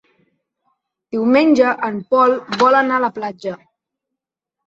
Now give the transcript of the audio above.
Diumenge en Pol vol anar a la platja.